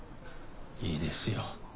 いいですよ。